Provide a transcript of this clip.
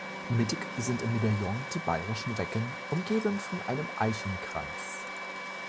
Mittig sind im Medaillon die bayerischen Wecken umgeben von einem Eichenkranz.